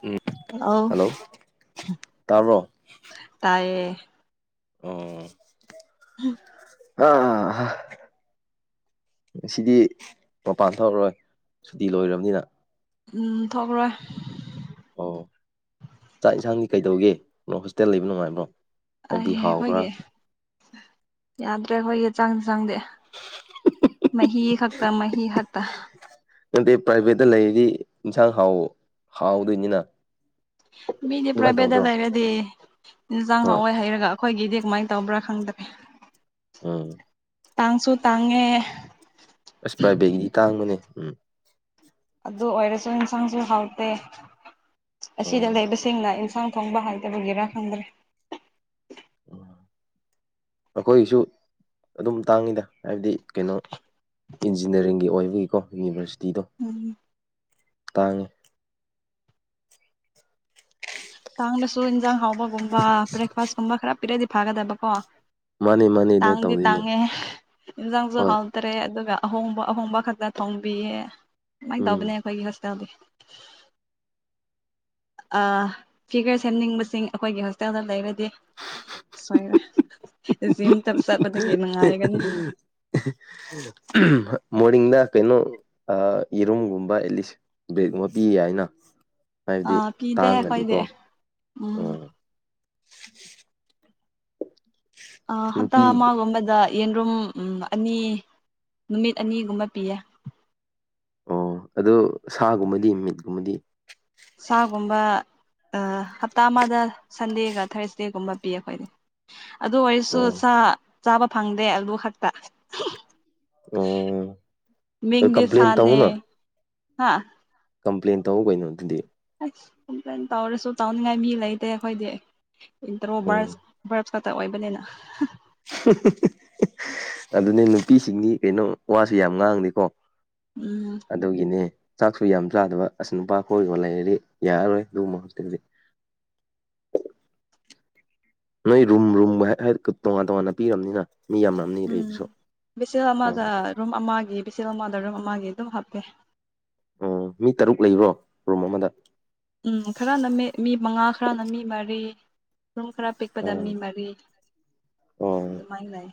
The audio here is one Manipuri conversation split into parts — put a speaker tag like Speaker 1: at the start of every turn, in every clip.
Speaker 1: ꯎꯝ
Speaker 2: ꯑꯣ
Speaker 1: ꯍꯜꯂꯣ ꯇꯥꯕ꯭ꯔꯣ
Speaker 2: ꯇꯥꯏꯌꯦ
Speaker 1: ꯑꯣ ꯑꯥ ꯁꯤꯗꯤ ꯃꯄꯥꯟ ꯊꯣꯛꯔꯔꯣꯏ ꯁꯨꯇꯤ ꯂꯣꯏꯔꯕꯅꯤꯅ
Speaker 2: ꯊꯣꯛꯔꯣꯏ
Speaker 1: ꯑꯣ ꯆꯥꯛ ꯌꯦꯟꯁꯥꯡꯗꯤ ꯀꯩꯗꯧꯒꯦ ꯀꯣ ꯍꯣꯁꯇꯦꯜ ꯂꯩꯕ ꯅꯨꯡꯉꯥꯏꯕ꯭ꯔꯣ
Speaker 2: ꯑꯩ
Speaker 1: ꯍꯥꯏꯕꯗꯤ ꯍꯥꯎꯕ꯭ꯔꯥ
Speaker 2: ꯑꯩꯈꯣꯏꯒꯤ ꯌꯥꯗ꯭ꯔꯦ ꯍꯈꯣꯏꯒꯤ ꯆꯪꯗꯤ ꯆꯪꯗꯦ ꯃꯍꯤ ꯈꯛꯇ ꯃꯍꯤ ꯇ
Speaker 1: ꯅꯠꯇꯦ ꯄ꯭ꯔꯥꯏꯚꯦꯠꯇ ꯂꯩꯔꯤꯗꯤ ꯏꯟꯁꯥꯡ ꯍꯥꯎ ꯍꯥꯎꯗꯣꯏꯅꯤꯅ
Speaker 2: ꯃꯤꯗꯤ
Speaker 1: ꯑꯗꯨꯃꯥꯏꯅ
Speaker 2: ꯄ꯭ꯔꯥꯏꯕꯦꯗ
Speaker 1: ꯇꯧꯗ꯭ꯔꯣ
Speaker 2: ꯂꯩꯔꯗꯤ ꯏꯟꯁꯥꯡ
Speaker 1: ꯍꯣꯏ
Speaker 2: ꯍꯥꯎꯋꯏ ꯍꯥꯏꯩꯔꯒ ꯑꯩꯈꯣꯏꯒꯤꯗꯤ ꯀꯃꯥꯏꯅ ꯇꯧꯕ꯭ꯔꯥ ꯈꯪꯗꯒꯦ
Speaker 1: ꯎꯝ
Speaker 2: ꯇꯥꯡꯁꯨ ꯇꯥꯡꯉꯦ
Speaker 1: ꯑꯁ ꯄ꯭ꯔꯥꯏꯚꯦꯠꯒꯤ ꯇꯥꯡꯕꯅꯦ ꯎꯝ
Speaker 2: ꯑꯗꯨ ꯑꯣꯏꯔꯁꯨ ꯏꯟꯁꯥꯡꯁꯨ ꯍꯥꯎꯇꯦ
Speaker 1: ꯎꯝ
Speaker 2: ꯑꯁꯤꯗ ꯂꯩꯕꯁꯤꯡꯅ ꯏꯟꯁꯥꯡ ꯊꯣꯡꯕ ꯍꯥꯏꯗꯕꯒꯤꯔꯥ ꯈꯪꯗ꯭ꯔꯦ
Speaker 1: ꯑꯩꯈꯣꯏꯁꯨ ꯑꯗꯨꯝ ꯇꯥꯡꯉꯤꯗ ꯍꯥꯏꯕꯗꯤ ꯀꯩꯅꯣ ꯏꯟꯖꯤꯅꯤꯌꯥꯔꯤꯡꯒꯤ ꯑꯣꯏꯕꯒꯤꯀꯣ ꯌꯨꯅꯤꯚꯔꯁꯤꯤ
Speaker 2: ꯎꯝ
Speaker 1: ꯇꯥꯡꯉꯤ
Speaker 2: ꯇꯥꯡꯅꯁꯨ ꯏꯟꯖꯥꯡ ꯍꯥꯎꯕꯒꯨꯝꯕ ꯕ꯭ꯔꯦꯛꯐꯥꯁꯀꯨꯝꯕ ꯈꯔ ꯄꯤꯔꯗꯤ ꯐꯥꯒꯗꯕꯀꯣ
Speaker 1: ꯃꯥꯅꯦ ꯃꯥꯅꯦ ꯑꯗꯨꯃꯥꯏꯅ
Speaker 2: ꯇꯥꯡꯥꯡꯗꯤ
Speaker 1: ꯇꯧꯗꯣꯏꯅꯦ
Speaker 2: ꯇꯥꯡꯉꯦ ꯏꯟꯖꯪꯁꯨ
Speaker 1: ꯍꯣꯏ
Speaker 2: ꯍꯥꯎ ꯇꯔꯦ ꯑꯗꯨꯒ ꯑꯍꯣꯡꯕ ꯑꯍꯣꯡꯕ ꯈꯛꯇ ꯊꯣꯡꯕꯤꯌꯦ ꯁꯃꯥꯏꯅ
Speaker 1: ꯎꯝ
Speaker 2: ꯇꯧꯕꯅꯦ ꯑꯩꯈꯣꯏꯒꯤ ꯍ ꯇꯕꯤꯦ ꯐꯤꯒꯔ ꯁꯦꯝꯅꯤꯡꯕꯁꯤꯡ ꯑꯩꯈꯣꯏꯒꯤ ꯍꯣꯁꯇꯦꯜꯗ ꯂꯩꯔꯗꯤ ꯣꯏꯔꯖꯤ
Speaker 1: ꯃꯣꯔꯅꯤꯡꯡꯗ ꯀꯩꯅꯣ ꯌꯦꯔꯨꯝꯒꯨꯝꯕ ꯑꯦꯠꯂꯤꯁ ꯕ꯭ꯔꯦꯦꯛꯀꯨꯝꯕ ꯄꯤ ꯌꯥ ꯍꯥꯏꯅ ꯍꯥꯏꯕꯗꯤ
Speaker 2: ꯄꯤꯗꯦ
Speaker 1: ꯇꯥꯡꯉꯗꯤꯀꯣ
Speaker 2: ꯑꯩꯈꯣꯏꯗꯤ
Speaker 1: ꯎꯝ
Speaker 2: ꯑ ꯍꯠꯇ
Speaker 1: ꯅꯨꯄꯤ
Speaker 2: ꯃꯥꯒꯝꯕꯗ ꯌꯦꯟꯔꯨꯝ ꯑꯅꯤ ꯅꯨꯃꯤꯠ ꯑꯅꯤꯒꯨꯝꯕ ꯄꯤꯌꯦ
Speaker 1: ꯑꯣ ꯑꯗꯣ ꯁꯥꯒꯨꯝꯕꯗꯤ ꯃꯤꯠꯒꯨꯝꯕꯗꯤ
Speaker 2: ꯁꯥꯒꯨꯝꯕ ꯍꯞꯇꯥ ꯑꯃꯗ ꯁꯟꯗꯦꯒ ꯊꯥꯔꯁꯗꯦꯒꯨꯝꯕ ꯄꯤ ꯑꯩꯈꯣꯏꯗꯤ ꯑꯗꯨ ꯑꯣꯏꯔꯁꯨ
Speaker 1: ꯑꯣ
Speaker 2: ꯆꯥꯕ ꯐꯪꯗꯦ ꯑꯗꯨ ꯈꯛꯇ
Speaker 1: ꯑꯣ
Speaker 2: ꯃꯤꯗꯤ
Speaker 1: ꯀꯝꯄ꯭ꯂꯦꯟ
Speaker 2: ꯁꯅꯦ
Speaker 1: ꯇꯧꯅ
Speaker 2: ꯍꯥ
Speaker 1: ꯀꯝꯄ꯭ꯂꯦꯟ ꯇꯧ ꯀꯩꯅꯣ ꯑꯗꯨꯗꯤ
Speaker 2: ꯀꯝꯄ꯭ꯂꯅ ꯇꯧꯔꯁꯨ ꯇꯧꯅꯤꯡꯉꯥꯏ ꯃꯤ ꯂꯩꯇꯦ
Speaker 1: ꯎꯝ
Speaker 2: ꯑꯩꯈꯣꯏꯗꯤꯇ ꯀꯇ ꯑꯣꯏꯕꯅꯤꯅ
Speaker 1: ꯑꯗꯨꯅꯦ ꯅꯨꯄꯤꯁꯤꯡ ꯀꯩꯅꯣ ꯋꯥꯁꯨ ꯌꯥꯝ ꯉꯥꯡꯅꯤꯦꯀꯣ
Speaker 2: ꯎꯝ
Speaker 1: ꯑꯗꯨꯒꯤꯅꯦ ꯆꯥꯛꯁꯨ ꯌꯥꯝ ꯆꯥꯗꯕ ꯑꯁ ꯅꯨꯄꯥ ꯐ ꯑꯣꯏꯔꯤꯕ ꯂꯩꯔꯗꯤ ꯌꯥꯔꯔꯣꯏ ꯑꯗꯨꯒꯨꯝꯕꯛꯇꯗꯤ [unintelligible] ꯅꯣꯏ ꯔꯨꯝ ꯔꯨꯝ ꯇꯣꯉꯥꯟ ꯇꯣꯉꯥꯟꯅ ꯄꯤꯔꯕꯅꯤꯅ ꯃꯤ ꯌꯥꯝꯔꯝꯅꯤ
Speaker 2: ꯎꯝ
Speaker 1: ꯂꯩꯕꯁꯨ
Speaker 2: ꯕꯤꯁꯦꯜ
Speaker 1: ꯎꯝ
Speaker 2: ꯑꯃꯗ ꯔꯨꯝ ꯑꯃꯒꯤ ꯄꯆꯦꯜ ꯑꯃꯗꯔꯝ ꯑꯃꯒꯤꯒꯤ ꯑꯗꯨꯝ ꯍꯥꯞꯀꯦ
Speaker 1: ꯎꯝ ꯃꯤ ꯇꯔꯨꯛ ꯂꯩꯕꯨꯔꯣ ꯔꯨꯝ ꯑꯃꯗ
Speaker 2: ꯎꯝ ꯈꯔꯅ ꯃꯤ ꯃꯉꯥ ꯈꯔꯅ ꯃꯤ ꯃꯔꯤ ꯔꯨꯝ ꯈꯔ ꯄꯤꯛꯄꯗ
Speaker 1: ꯎꯝ
Speaker 2: ꯃꯤ ꯃꯔꯤ
Speaker 1: ꯑꯣ
Speaker 2: ꯑꯗꯨꯃꯥꯏ ꯂꯩ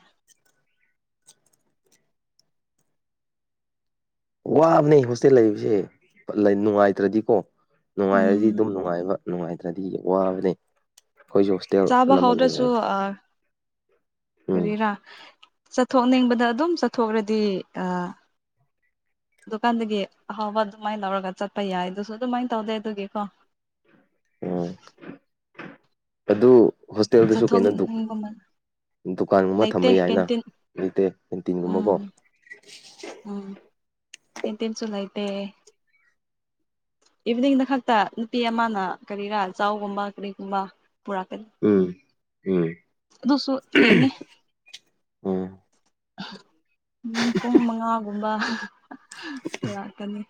Speaker 1: ꯋꯥꯕꯅꯦ ꯍꯣꯁꯇꯦꯜ ꯂꯩꯕꯁꯦ ꯅꯨꯡꯉꯥꯏꯇ꯭ꯔꯗꯤꯀꯣ ꯅꯨꯡꯉꯥꯏꯔꯗꯤ
Speaker 2: ꯎꯝ
Speaker 1: ꯑꯗꯨꯝ ꯅꯨꯡꯉꯥꯏꯕ ꯅꯨꯡꯉꯥꯏꯇ꯭ꯔꯗꯤ ꯋꯥꯕꯅꯦ ꯑꯩꯈꯣꯏꯁꯨ ꯍꯣꯁꯇꯦꯜ
Speaker 2: ꯆꯥꯕ
Speaker 1: ꯑꯅꯝꯕ ꯂꯩ
Speaker 2: ꯍꯧꯗ꯭ꯔꯁꯨ
Speaker 1: ꯍꯥꯏ
Speaker 2: ꯀꯔꯤꯔꯥ ꯆꯠꯊꯣꯛꯅꯤꯡꯕꯗ ꯑꯗꯨꯝ ꯆꯠꯊꯣꯛꯈ꯭ꯔꯗꯤ
Speaker 1: [inaudible]
Speaker 2: ꯗꯨꯀꯥꯟꯗꯒꯤ ꯑꯍꯥꯎꯕ ꯑꯗꯨꯃꯥꯏꯅ ꯂꯧꯔꯒ ꯆꯠꯄ ꯌꯥꯏ ꯑꯗꯨꯁꯨ ꯑꯗꯨꯃꯥꯏꯅ ꯇꯧꯗꯦ ꯑꯗꯨꯒꯤꯀꯣ
Speaker 1: ꯑꯣ ꯑꯗꯨ ꯍꯣꯁꯇꯦꯜꯗꯨꯁꯨ ꯀꯩꯅꯣꯗꯨ
Speaker 2: ꯆꯠꯊꯣꯛꯅꯤꯡꯕ
Speaker 1: ꯗꯨꯀꯥꯟꯒꯨꯝꯕ
Speaker 2: ꯂꯩꯇꯦ
Speaker 1: ꯊꯝꯕ ꯌꯥꯏꯅ
Speaker 2: ꯀꯦꯟꯇꯤꯟ
Speaker 1: ꯂꯩꯇꯦ ꯀꯦꯟꯇꯤꯟꯒꯨꯝꯕꯀꯣ
Speaker 2: ꯎꯝ ꯎꯝ ꯑꯦꯇꯦꯟ ꯆꯂꯥꯏꯇ ꯏꯚꯤꯅꯤꯡꯗ ꯈꯛꯇ ꯅꯨꯄꯤ ꯑꯃꯅ ꯀꯔꯤꯔꯥ ꯆꯒꯨꯝꯕ ꯀꯔꯤꯒꯨꯝꯕ ꯄꯨꯔꯛꯀꯅꯤ
Speaker 1: ꯎꯝ ꯎꯝ
Speaker 2: ꯑꯗꯨꯁꯨ ꯊꯦꯡꯉꯦ
Speaker 1: ꯎ
Speaker 2: ꯄꯨꯡ ꯃꯉꯥꯒꯨꯝꯕ ꯂꯥꯛꯀꯅꯤ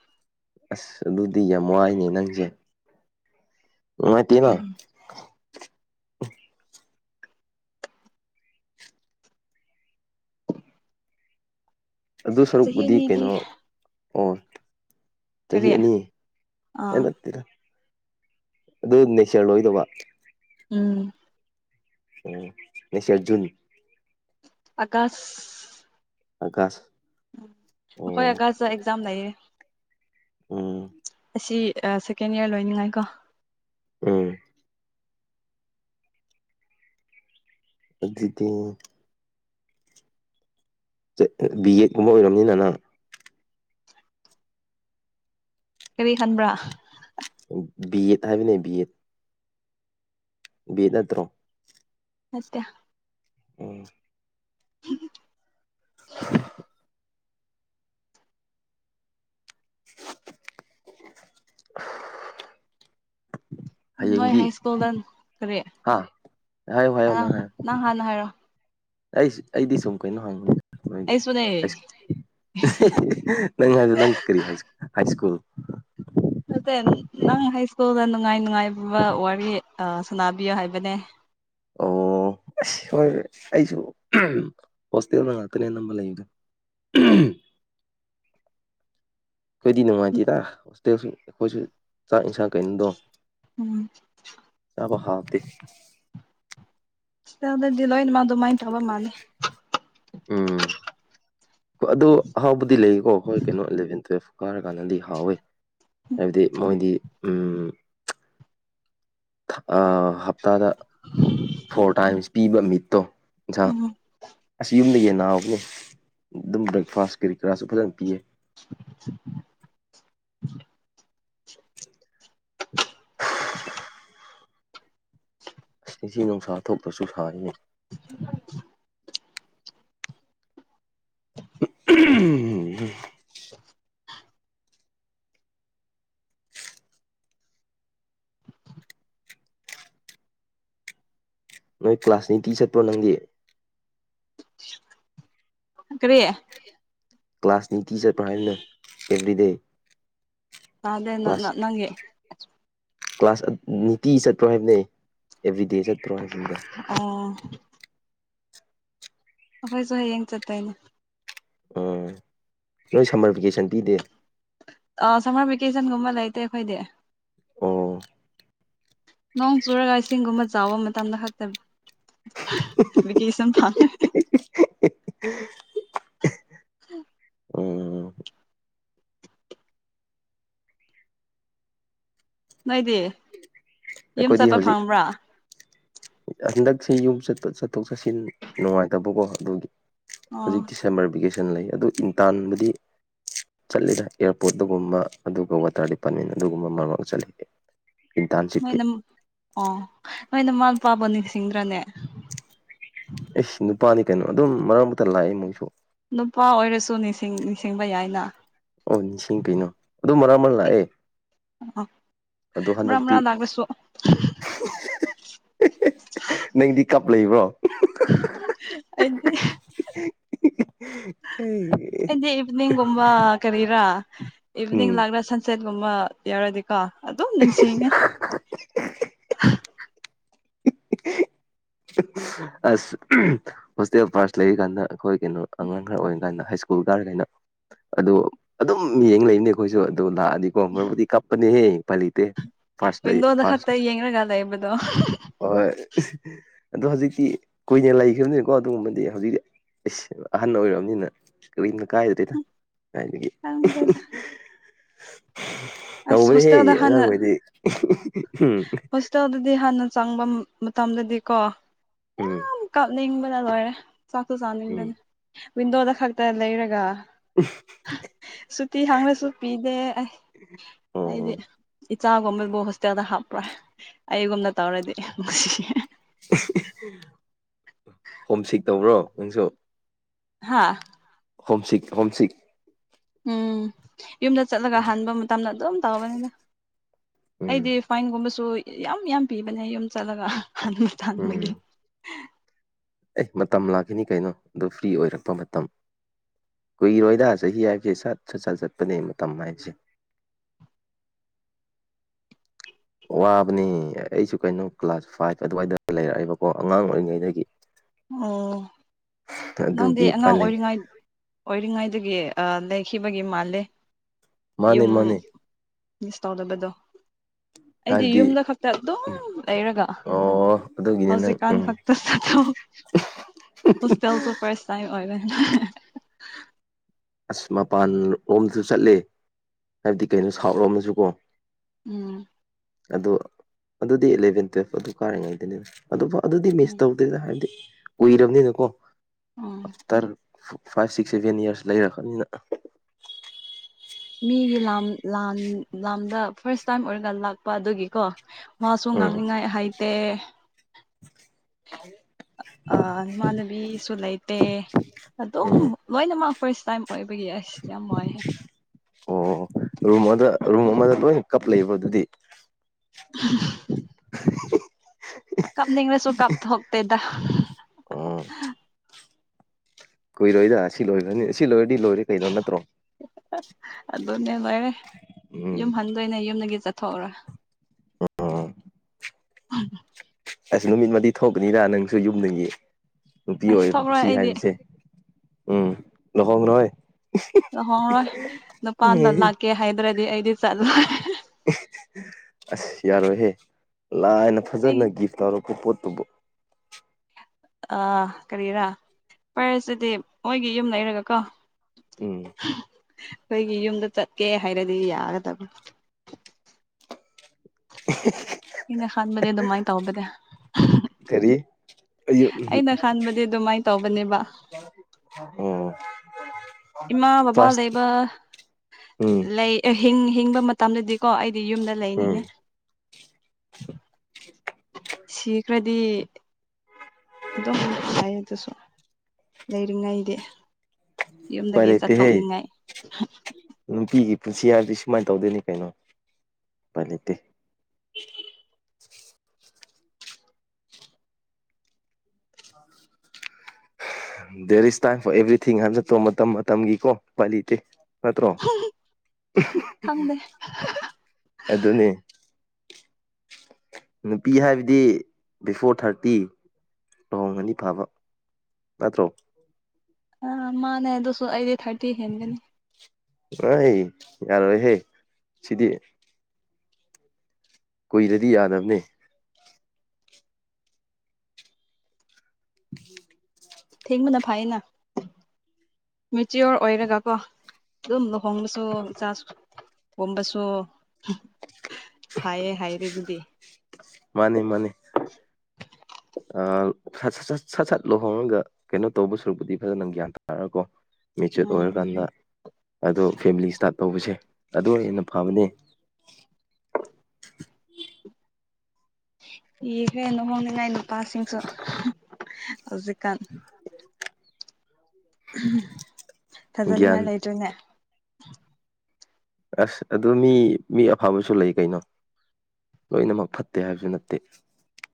Speaker 1: ꯑꯁ ꯑꯗꯨꯗꯤ ꯌꯥꯝ ꯉꯥꯏꯅꯦ ꯅꯪꯁꯦ ꯅꯨꯡꯉꯥꯏꯇꯦꯅꯣ ꯑꯗꯨ
Speaker 2: ꯆꯍꯤ
Speaker 1: ꯁꯔꯨꯛꯄꯨꯗꯤ ꯀꯩꯅꯣ
Speaker 2: ꯑꯅꯤꯗꯤ
Speaker 1: ꯑꯣ ꯆꯍꯤ
Speaker 2: ꯀꯔꯤ
Speaker 1: ꯑꯅꯤ
Speaker 2: ꯑꯥ
Speaker 1: ꯍꯗꯔꯥ ꯑꯗꯨ ꯅꯁꯂꯣ ꯏꯗ ꯋꯥ
Speaker 2: ꯎꯝ
Speaker 1: ꯑꯣ ꯅꯁꯤꯦꯜꯖꯨꯟ
Speaker 2: ꯑꯀꯥꯁ
Speaker 1: ꯑꯀꯥꯁ
Speaker 2: ꯍꯣꯏꯒ ꯑꯦꯛꯖꯥꯝ ꯅꯌꯦ
Speaker 1: ꯎꯝ
Speaker 2: ꯑꯁꯤ ꯁꯦꯀꯦꯟ ꯏꯌꯥꯔ ꯂꯣꯏꯅꯤꯡꯉꯥꯏ ꯀꯣ
Speaker 1: ꯑꯥ ꯖꯤꯗꯤ ꯕꯤ ꯑꯦꯗꯀꯨꯝꯕ ꯑꯣꯏꯔꯝꯅꯤꯅ ꯅꯪ
Speaker 2: ꯀꯔꯤ ꯈꯟꯕ꯭ꯔꯥ
Speaker 1: ꯕꯤ ꯑꯦꯠ ꯍꯥꯏꯕꯅꯦ ꯕꯤ ꯑꯦꯠ ꯕꯤ ꯅꯠꯇ꯭ꯔꯣ
Speaker 2: ꯑꯠꯇ
Speaker 1: ꯎꯝ
Speaker 2: ꯎꯝ ꯅꯣꯏ
Speaker 1: ꯍꯌꯦꯡꯗꯤ
Speaker 2: ꯍꯥꯏ ꯁ꯭ꯀꯨꯜꯗ ꯀꯔꯤ
Speaker 1: ꯑꯥ ꯍꯥꯏꯌꯣ ꯍꯥꯏꯌꯨ ꯅꯪ ꯍꯥꯏꯌꯨ
Speaker 2: ꯍꯥꯟꯅ ꯍꯥꯏꯔꯣ
Speaker 1: ꯑꯩ ꯑꯩꯗꯤ ꯁꯨꯝ ꯀꯩꯅꯣ ꯍꯪꯉꯨ ꯑꯩꯣꯏꯒꯤ
Speaker 2: ꯑꯩꯁꯨꯅꯦ
Speaker 1: ꯅꯪ ꯍꯥꯏ ꯅꯪ ꯀꯔꯤ ꯍꯥꯏ ꯁ꯭ꯀꯨꯜ [inaudible]
Speaker 2: ꯅꯠꯇꯦ ꯅꯪ ꯍꯥꯏ ꯁ꯭ꯀꯨꯜꯗ ꯅꯨꯡꯉꯥꯏ ꯅꯨꯡꯉꯥꯏꯕ ꯋꯥꯔꯤ ꯑ ꯁꯅꯥꯕꯤꯌꯣ ꯍꯥꯏꯕꯅꯦ
Speaker 1: ꯑꯣ ꯑꯁ ꯍꯣꯏ ꯑꯩꯁꯨ ꯍꯣꯁꯇꯦꯜꯗ ꯉꯥꯛꯇꯅꯦ ꯅꯝꯕ ꯂꯩꯕꯗ ꯝ ꯑꯩꯈꯣꯏꯗꯤ ꯅꯨꯡꯉꯥꯏꯇꯦꯗ ꯍꯣꯁꯇꯦꯜꯁꯨ ꯑꯩꯈꯣꯏꯁꯨ ꯆꯥꯛ ꯏꯟꯁꯥ ꯀꯗꯣ
Speaker 2: ꯎꯝ
Speaker 1: ꯆꯥꯕ ꯍꯥꯎꯇꯦ
Speaker 2: ꯑꯗꯗꯤ ꯂꯣꯏꯅ ꯃꯥ ꯑꯗꯨꯃꯥꯏꯅ ꯇꯕ ꯃꯥꯜꯅꯦ
Speaker 1: ꯎꯝ ꯍ ꯑꯗꯨ ꯑꯍꯥꯎꯕꯗꯤ ꯂꯩꯌꯦꯀꯣ ꯍꯣꯏ ꯀꯩꯅꯣ ꯑꯦꯂꯚꯦꯟ ꯇꯨꯋꯦꯜꯐ ꯀꯥꯔꯀꯥꯟꯗꯗꯤ ꯍꯥꯎꯋꯤ ꯍꯥꯏꯕꯗꯤ ꯃꯣꯏꯗꯤ ꯍꯞꯇꯥꯗ ꯐꯣꯔ ꯇꯥꯏꯝꯁ ꯄꯤꯕ ꯃꯤꯠꯇꯣ ꯏꯟꯁꯥ
Speaker 2: ꯎꯝ
Speaker 1: ꯑꯁꯤꯁ ꯌꯨꯝꯗ ꯌꯦ ꯅꯥꯕꯅꯦ ꯑꯗꯨꯝ ꯕ꯭ꯔꯦꯛꯐꯥꯁ ꯀꯔꯤ ꯀꯔꯥꯁꯨ ꯐꯖꯅ ꯄꯤꯌꯦ [inaudible] ꯑꯁꯤꯗꯁꯤ ꯅꯨꯡꯁꯥ ꯊꯣꯛꯇ꯭ꯔꯁꯨ ꯁꯥꯔꯤꯅꯤ [unintelligible] ꯅꯣꯏ ꯀ ꯀ꯭ꯂꯥꯁꯅꯤ ꯇꯤ ꯆꯔꯇ ꯄꯣ ꯅꯥꯡ ꯗꯌꯦ
Speaker 2: ꯀꯔꯤꯦ
Speaker 1: ꯀ꯭ꯂꯥꯁꯅꯤ ꯇꯤꯆꯔ ꯄ꯭ꯔ ꯍꯥꯏꯅ ꯑꯦꯚ꯭ꯔꯤꯗꯦ
Speaker 2: ꯑꯗꯦ ꯅ ꯅꯪꯒꯤꯦ
Speaker 1: ꯀ꯭ꯂꯥꯁ ꯅꯨꯡꯇꯤ ꯆꯠꯇꯄ꯭ꯔꯣ ꯍꯥꯏꯕꯅꯤ ꯑꯦꯚ꯭ꯔꯤꯗꯦ ꯆꯠꯇꯄ꯭ꯔꯣ ꯍꯥꯏꯕꯅꯤꯗ
Speaker 2: ꯑꯣ ꯑꯩꯈꯣꯏꯁꯨ ꯍꯌꯦꯡ ꯆꯠꯇꯣꯏꯅꯦ
Speaker 1: ꯎꯝ ꯅꯣꯏ ꯁꯝꯃꯔ ꯚꯦꯀꯦꯁꯟ ꯄꯤꯗꯦ
Speaker 2: ꯑ ꯁꯝꯃꯔ ꯚꯦꯀꯦꯁꯟꯒꯨꯝꯕ ꯂꯩꯇꯦ ꯑꯩꯈꯣꯏꯗꯤ
Speaker 1: ꯑ
Speaker 2: ꯅꯣꯡ ꯆꯨꯔꯒ ꯏꯁꯤꯡꯒꯨꯝꯕ ꯆꯥꯎꯕ ꯃꯇꯝꯗ ꯈꯛꯇꯕꯤ ꯂꯀꯦꯁꯟ ꯐ
Speaker 1: [unintelligible]
Speaker 2: ꯎꯝ
Speaker 1: ꯎꯝ
Speaker 2: ꯅꯣꯏꯗꯤ ꯌꯨꯝ
Speaker 1: ꯑꯩꯈꯣꯏꯗꯤ
Speaker 2: ꯆꯠꯄ
Speaker 1: ꯍꯧꯖꯤꯛ
Speaker 2: ꯐꯪꯕ꯭ꯔꯥ
Speaker 1: ꯍꯟꯗꯛꯁꯤ ꯌꯨꯝ ꯆꯠꯊꯣꯛ ꯆꯠꯁꯤꯟ ꯅꯨꯡꯉꯥꯏꯇꯕꯀꯣ ꯑꯗꯨꯒꯤ
Speaker 2: ꯑꯣ
Speaker 1: ꯍꯧꯖꯤꯛ ꯗꯤꯁꯦꯝꯕꯔ ꯚꯦꯀꯦꯁꯟ ꯂꯩ ꯑꯗꯨ ꯏꯟꯇꯥꯟꯕꯗꯤ ꯆꯠꯂꯤꯗ ꯑꯦꯌꯥꯔꯄꯣꯔꯠ ꯑꯗꯨꯒꯨꯝꯕ ꯑꯗꯨꯒ ꯋꯥꯇꯔ ꯗꯤꯄꯥꯔꯠꯃꯦꯟ ꯑꯗꯨꯒꯨꯝꯕ ꯃꯔꯝꯔꯒ ꯆꯠꯂꯤ ꯏꯟꯇꯔꯥꯟꯁꯤꯤꯞꯀꯤ
Speaker 2: ꯅꯣꯏꯅ ꯑꯣ ꯅꯣꯏꯅꯃꯥ ꯃꯄꯥꯕꯨ ꯅꯤꯡꯁꯤꯡꯗ꯭ꯔꯅꯦ
Speaker 1: ꯑꯦꯁ ꯅꯨꯄꯥꯅꯤ ꯀꯩꯅꯣ ꯑꯗꯨꯝ ꯃꯔꯛ ꯃꯔꯛꯇ ꯂꯥꯛꯑꯦ ꯃꯣꯏꯁꯨ
Speaker 2: ꯅꯨꯄꯥ ꯑꯣꯏꯔꯁꯨ ꯅꯤꯡꯁꯤꯡ ꯅꯤꯡꯁꯤꯡꯕ ꯌꯥꯏꯅ
Speaker 1: ꯑꯣ ꯅꯤꯡꯁꯤꯡ ꯀꯩꯅꯣ ꯑꯗꯨ ꯃꯔꯥꯡ ꯃꯔ ꯂꯥꯛꯑꯦ ꯑꯗꯣ
Speaker 2: ꯃ꯭ꯔ ꯃ꯭ꯔ
Speaker 1: ꯍꯟꯗꯛꯇꯤ
Speaker 2: ꯂꯥꯛꯁꯨ
Speaker 1: ꯅꯪꯗꯤ ꯀꯞ ꯂꯩꯕ꯭ꯔꯣ
Speaker 2: ꯑꯗꯤ ꯏꯗꯤ ꯏꯚꯅꯤꯡ ꯔꯨꯝꯝꯕ ꯀꯔꯤꯔ ꯭ꯔ ꯏꯚꯅꯤꯡ
Speaker 1: ꯎꯝ
Speaker 2: ꯂꯥꯛꯗ꯭ꯔꯥ ꯁꯟꯁꯦꯠꯀꯨꯝꯕ ꯌꯥꯎꯔꯗꯤꯀꯣ ꯑꯗꯨꯣ ꯅꯤꯡꯁꯤꯡꯉ
Speaker 1: ꯑꯁ ꯍꯣꯁꯇꯦꯜ ꯐꯥꯔꯁ ꯂꯩꯔꯤ ꯀꯥꯟꯗ ꯑꯩꯈꯣꯏ ꯀꯩꯅꯣ ꯑꯉꯥꯡ ꯈꯔ ꯑꯣꯏꯔꯤ ꯀꯥꯟꯗ ꯍꯥꯏ ꯁ꯭ꯀꯨꯜ ꯇꯥꯔ ꯀꯩꯅꯣ ꯑꯗꯣ ꯑꯗꯨꯝ ꯌꯦꯠꯌꯦꯡ ꯂꯩꯅꯦ ꯑꯩꯈꯣꯏꯁꯨ ꯑꯗꯨ ꯂꯥꯛꯑꯗꯤꯀꯣ ꯃꯔꯨꯕꯨꯗꯤ ꯀꯞꯄꯅꯦꯍꯦ ꯄꯂꯤꯇ ꯐꯁ ꯂꯩ
Speaker 2: ꯋꯤꯟꯗꯣꯗ
Speaker 1: ꯐꯁ
Speaker 2: ꯈꯛꯇ ꯌꯦꯡꯔꯒ ꯂꯩꯕꯗꯣ
Speaker 1: ꯑꯣ ꯤ ꯀꯨꯏꯅ ꯂꯩꯈ꯭ꯔꯕꯅꯤꯅꯀꯣ ꯑꯗꯨꯒꯨꯝꯕꯗꯤ ꯍꯧꯖꯤꯛꯇꯤ ꯁ ꯑꯍꯟ ꯑꯣꯏꯔꯛꯑꯕꯅꯤꯅ ꯀꯔꯤ ꯀꯥꯏꯗꯨꯗꯗ ꯀꯦ
Speaker 2: ꯈꯪꯗ꯭ꯔꯦꯗ ꯑꯁ ꯍꯣꯁꯇꯦꯜꯗ ꯍꯥꯟꯅ
Speaker 1: ꯑꯉꯥꯡꯈꯩꯗꯤ ꯎꯝ
Speaker 2: ꯍꯣꯁꯇꯦꯜꯗꯗꯤ ꯍꯥꯟꯅ ꯆꯪꯕ ꯃꯇꯝꯗꯗꯤꯀꯣ
Speaker 1: ꯎꯝ
Speaker 2: ꯌꯥꯝ ꯀꯥꯞꯅꯤꯡꯕꯅ ꯂꯣꯏꯔꯦ ꯆꯥꯛꯇꯨ
Speaker 1: ꯎꯝ
Speaker 2: ꯆꯥꯅꯤꯡꯗꯅꯤ ꯋꯟꯗꯣꯗ ꯈꯛꯇ ꯂꯩꯔꯒ ꯁꯨꯇꯤ ꯍꯥꯡꯅꯁꯨ ꯄꯤꯗꯦ ꯑꯩ
Speaker 1: ꯑꯣ
Speaker 2: ꯍꯥꯏꯗꯤ
Speaker 1: ꯎꯝ
Speaker 2: ꯏꯆꯥꯒꯨꯝꯕꯕꯨ ꯍꯣꯁꯇꯦꯜꯗ ꯍꯥꯞꯄ꯭ꯔꯥ ꯑꯩꯒꯨꯝꯅ ꯇꯧꯔꯗꯤ ꯅꯨꯡꯁꯤꯦ
Speaker 1: ꯍꯣꯝꯁꯤꯛ ꯇꯧꯕ꯭ꯔꯣ ꯅꯪꯁꯨ
Speaker 2: ꯍꯥꯥ
Speaker 1: ꯍꯣꯝꯁꯤꯛ ꯍꯣꯝꯁꯤꯛ
Speaker 2: ꯎꯝ ꯌꯨꯝꯗ ꯆꯠꯂꯒ ꯍꯟꯥꯟꯕ ꯃꯇꯝꯗ ꯑꯗꯨꯝ ꯇꯧꯕꯅꯤꯅ
Speaker 1: ꯎꯝ
Speaker 2: ꯑꯩꯗꯤ ꯐꯥꯏꯟꯒꯨꯝꯕꯁꯨ ꯌꯥꯝ ꯌꯥꯝ ꯄꯤꯕꯅꯦ ꯌꯨꯝ ꯆꯠꯂꯒ ꯍꯟꯥꯟꯕ ꯇꯟꯥꯟꯕꯒꯤ
Speaker 1: ꯎꯝ ꯑꯦ ꯃꯇꯝ ꯂꯥꯛꯈꯤꯅꯤ ꯀꯩꯅꯣ ꯑꯗꯨ ꯐ꯭ꯔꯤ ꯑꯣꯏꯔꯛꯄ ꯃꯇꯝ ꯀꯨꯏꯔꯣꯏꯗ ꯆꯍꯤ ꯍꯥꯏꯁꯦ ꯁꯠ ꯁꯠꯆꯠ ꯆꯠꯄꯅꯦ ꯃꯇꯝ ꯃꯥꯏꯖꯦ [unintelligible] ꯋꯥꯕꯅꯤ ꯑꯩꯁꯨ ꯀꯩꯅꯣ ꯀ꯭ꯂꯥꯁ ꯐꯥꯏꯚ ꯑꯗꯨꯋꯥꯏꯗ ꯂꯩꯔꯛꯑꯦꯕꯀꯣ ꯑꯉꯥꯡ ꯑꯣꯏꯔꯤꯉꯩꯗꯒꯤ
Speaker 2: ꯑꯣ ꯅꯪꯗꯤ
Speaker 1: ꯑꯗꯨꯒꯤ ꯎꯄꯥꯏ
Speaker 2: ꯑꯉꯥꯡ
Speaker 1: ꯂꯩ
Speaker 2: ꯑꯣꯏꯔꯤꯉꯥꯏ ꯑꯣꯏꯔꯤꯉꯥꯏ ꯑꯗꯨꯒꯤ ꯑ ꯂꯩꯈꯤꯕꯒꯤ ꯃꯥꯂꯦ
Speaker 1: ꯃꯥꯅꯤ ꯃꯥꯅꯤ
Speaker 2: ꯁ ꯇꯥꯎꯗꯕꯗꯣ
Speaker 1: ꯎꯝ
Speaker 2: ꯑꯩꯗꯤ ꯌꯨꯝꯗ ꯈꯛꯇ ꯑꯗꯨꯝ ꯂꯩꯔꯒ
Speaker 1: ꯑꯣ ꯑꯗꯨꯒꯤꯅꯦ ꯅꯪ
Speaker 2: ꯍꯧꯖꯤꯛꯀꯥꯟ
Speaker 1: ꯎꯝ
Speaker 2: ꯈꯛꯇ ꯆꯠꯊꯣꯛ ꯍꯣꯁꯇꯦꯜꯁꯨ ꯐꯥꯔꯁ ꯇꯥꯏꯝ ꯑꯣꯏꯔꯦ
Speaker 1: ꯑꯁ ꯃꯄꯥꯟ ꯔꯣꯝꯗꯁꯨ ꯆꯠꯂꯦ ꯍꯥꯏꯕꯗꯤ ꯀꯩꯅꯣ ꯁꯥꯎꯠ ꯂꯣꯝꯗꯁꯨ ꯀꯣ
Speaker 2: ꯎꯝ
Speaker 1: ꯑꯗꯣ ꯑꯗꯨꯗꯤ ꯑꯦꯂꯚꯦꯟ ꯇꯨꯋꯦꯜꯞ ꯑꯗꯨ ꯀꯥꯔꯤꯉꯩꯗꯅꯤꯅ ꯑꯗꯨꯣ ꯑꯗꯨꯗꯤ
Speaker 2: ꯎꯝ
Speaker 1: ꯃꯤꯁ ꯇꯧꯗꯦꯗ ꯍꯥꯏꯕꯗꯤ ꯀꯨꯏꯔꯕꯅꯤꯅꯀꯣ
Speaker 2: ꯎꯝ
Speaker 1: ꯑꯐꯇꯔ ꯐꯥꯏꯚ ꯁꯤꯛꯁ ꯁꯚꯦꯟꯔꯁ ꯂꯩꯔꯀꯅꯤꯅ
Speaker 2: ꯃꯤꯒꯤ ꯂꯥꯝ ꯂꯥꯟ ꯂꯥꯝꯗ ꯐꯥꯔꯁ ꯇꯥꯏꯝ ꯑꯣꯏꯔꯒ ꯂꯥꯛꯄ ꯑꯗꯨꯒꯤꯀꯣ ꯃꯥꯁꯨ
Speaker 1: ꯎꯝ
Speaker 2: ꯉꯥꯡꯅꯤꯡꯉꯥꯏ ꯍꯥꯏꯇꯦ
Speaker 1: ꯍꯥꯏꯦ
Speaker 2: ꯏꯃꯥꯟꯅꯕꯤꯁꯨ ꯂꯩꯇꯦ ꯑꯗꯨꯝ
Speaker 1: ꯎꯝ
Speaker 2: ꯂꯣꯏꯅꯃꯛ ꯐꯥꯔꯁ ꯇꯥꯏꯝ ꯑꯣꯏꯕꯒꯤ ꯑꯩꯁ ꯌꯥꯝ ꯋꯥꯅꯨꯡꯏꯍꯦ
Speaker 1: ꯑꯣ ꯔꯨꯝ ꯑꯃꯗ ꯔꯨꯝ ꯑꯃꯗ ꯂꯣꯏꯅ ꯀꯞ ꯂꯩꯕ ꯑꯗꯨꯗꯤ
Speaker 2: [inaudible] ꯀꯞꯅꯤꯡꯅꯁꯨꯣ ꯀꯞꯇ ꯍꯣꯇꯗ
Speaker 1: ꯑꯣ ꯀꯨꯏꯔꯣꯏꯗ ꯁꯤ ꯂꯣꯏꯔꯅꯤ ꯁꯤ ꯂꯣꯏꯔꯗꯤ ꯂꯣꯏꯔꯦ ꯀꯩꯅꯣ ꯅꯠꯇ꯭ꯔꯣ
Speaker 2: ꯑꯗꯨꯅꯦ ꯂꯣꯏꯔꯦ
Speaker 1: ꯎꯝ
Speaker 2: ꯌꯨꯝ ꯍꯟꯗꯣꯏꯅꯦ ꯌꯨꯝꯗꯒꯤ ꯆꯠꯊꯣꯛꯎꯔ
Speaker 1: ꯑꯣ
Speaker 2: ꯎꯝ
Speaker 1: ꯑꯁ ꯅꯨꯃꯤꯠꯃꯗꯤ ꯊꯣꯛꯀꯅꯤꯔ ꯅꯪꯁꯨ ꯌꯨꯝꯒꯤ ꯅꯨꯄꯤ
Speaker 2: ꯑꯁ
Speaker 1: ꯑꯣꯏ
Speaker 2: ꯊꯣꯛꯔꯣꯏ
Speaker 1: ꯁꯤ
Speaker 2: ꯑꯩꯗꯤ
Speaker 1: ꯍꯥꯏꯔꯤꯁꯦ ꯎꯝ ꯂꯨꯍꯣꯡꯈ꯭ꯔꯣꯏ
Speaker 2: ꯂꯍꯣꯡꯔꯣꯏ ꯅꯨꯄꯥꯅ ꯂꯥꯛꯀꯦ ꯍꯥꯏꯗ꯭ꯔꯗꯤ ꯑꯩꯗꯤ ꯆꯠꯂ
Speaker 1: ꯑꯁ ꯌꯥꯔꯣꯏꯍꯦ ꯂꯥꯏꯅ
Speaker 2: ꯑꯩ
Speaker 1: ꯐꯖꯅ ꯒꯤꯐ ꯇꯧꯔꯛꯄ ꯄꯣꯠ
Speaker 2: ꯑꯥ ꯀꯔꯤꯔꯥ ꯐꯔꯁꯤꯗꯤ ꯃꯣꯏꯒꯤ ꯌꯨꯝ ꯂꯩꯔꯒ ꯀꯣ
Speaker 1: ꯎꯝ
Speaker 2: ꯑꯩꯈꯣꯏꯒꯤ ꯌꯨꯝꯗ ꯆꯠꯀꯦ ꯍꯥꯏꯔꯗꯤ ꯌꯥꯒꯗꯕ
Speaker 1: [unintelligible]
Speaker 2: ꯑꯩꯅ ꯈꯟꯕꯗꯤ ꯑꯗꯨꯃꯥꯏꯅ ꯇꯧꯕꯅꯦ ꯑꯩꯅ ꯈꯟꯕꯗꯤ
Speaker 1: ꯑꯝ
Speaker 2: ꯑꯗꯨꯃꯥꯏꯅ ꯇꯧꯕꯅꯦꯕ
Speaker 1: ꯑꯣ [unintelligible]
Speaker 2: ꯏꯃꯥ ꯕꯕꯥ
Speaker 1: ꯐꯥꯔꯁ
Speaker 2: ꯂꯩꯕ
Speaker 1: ꯎꯝ
Speaker 2: ꯂꯩ ꯍꯤꯡ ꯍꯤꯡꯕ ꯃꯇꯝꯗꯗꯤꯀꯣ ꯑꯩ ꯌꯨꯝꯗ
Speaker 1: ꯎꯝ
Speaker 2: ꯂꯩꯅꯤꯡꯉꯦ ꯁꯤꯈ꯭ꯔꯗꯤ ꯑꯗꯨꯝꯥꯏ ꯑꯗꯨꯁꯨ ꯂꯩꯔꯤꯉꯩꯗꯤ
Speaker 1: ꯎꯄꯥꯏ
Speaker 2: ꯌꯨꯝꯗꯒꯤ
Speaker 1: ꯂꯩꯇꯦꯍꯦ
Speaker 2: ꯆꯠꯊꯣꯛꯅꯤꯡꯉꯥꯏ
Speaker 1: ꯅꯨꯄꯤꯒꯤ ꯄꯨꯟꯁꯤ ꯍꯥꯏꯔꯗꯤ ꯁꯨꯃꯥꯏꯅ ꯇꯧꯗꯣꯏꯅꯤ ꯀꯩꯅꯣ ꯄ ꯂꯩꯇꯦ there is time for everything ꯍꯥꯏ ꯆꯠꯇꯣ ꯃꯇꯝ ꯃꯇꯝꯒꯤꯀꯣ ꯄꯥꯂꯤꯇꯦ ꯅꯠꯇ꯭ꯔꯣ
Speaker 2: ꯈꯪꯗꯦ
Speaker 1: ꯑꯗꯨꯅꯦ ꯅꯨꯄꯤ ꯍꯥꯏꯕꯗꯤ ꯕꯤꯐꯣꯔ ꯊꯥꯔꯇꯤ ꯂꯨꯍꯣꯡꯒꯅꯤ ꯐꯕ ꯅꯠꯇ꯭ꯔꯣ
Speaker 2: ꯑꯥ ꯃꯥꯅꯦ ꯑꯗꯨꯁꯨ ꯑꯩꯗꯤ ꯊꯥꯔꯇꯤ ꯍꯦꯟꯒꯅꯤ
Speaker 1: ꯑ ꯌꯥꯔ ꯑꯣꯏ ꯍꯦ ꯁꯤꯗꯤ ꯀꯨꯏꯔꯗꯤ ꯌꯥꯗꯕꯅꯦ ꯊ
Speaker 2: ꯊꯦꯡ ꯃꯅ ꯐꯑꯅ ꯃꯦꯆꯤꯌꯣꯔ ꯑꯣꯏꯔꯒ ꯀꯣ ꯑꯗꯨꯝ ꯂꯨꯍꯣꯡꯕꯁꯨ ꯆ ꯀꯣꯝꯕꯁꯨ ꯐꯥꯏꯌꯦ ꯍꯥꯏꯔꯤ ꯑꯗꯨꯗꯤ
Speaker 1: ꯃꯥꯅꯤ ꯃꯥꯅꯤ ꯁꯠ ꯁꯠ ꯂꯨꯍꯣꯡꯉꯒ ꯀꯩꯅꯣ ꯇꯧꯕ ꯁꯔꯨꯛꯄꯨꯗꯤ ꯐꯖꯅ ꯒ꯭ꯌꯥꯟ ꯇꯥꯔꯒꯀꯣ ꯃꯦꯆꯨꯠ
Speaker 2: ꯎꯝ
Speaker 1: ꯑꯣꯏꯔꯀꯥꯟꯗ ꯑꯗꯣ ꯐꯦꯃꯤꯂꯤ ꯏꯁꯇꯥꯔꯠ ꯇꯧꯕꯁꯦ ꯑꯗꯨ ꯍꯦꯟꯅ ꯐꯕꯅꯦ
Speaker 2: ꯌꯦꯒ ꯅ ꯍꯣꯡꯅꯤꯡꯉꯥꯏ ꯅꯨꯄꯥꯁꯤꯡꯁꯨ ꯍꯧꯖꯤꯀꯥꯟ
Speaker 1: ꯒ꯭ꯌꯥꯟ
Speaker 2: ꯊꯥꯖꯅꯤꯡꯉꯥꯏ ꯂꯩꯇꯣꯏꯅꯦ
Speaker 1: ꯑꯁ ꯑꯗꯨ ꯃꯤ ꯃꯤ ꯑꯐꯕꯁꯨ ꯂꯩ ꯀꯩꯅꯣ ꯂꯣꯏꯅꯃꯛ ꯐꯠꯇꯦ ꯍꯥꯏꯕꯁꯨ ꯅꯠꯇꯦ